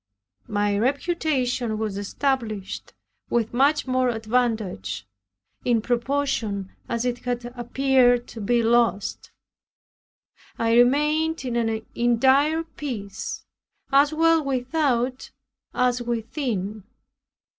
My reputation was established with much more advantage, in proportion as it had appeared to be lost. I remained in an entire peace, as well without as within.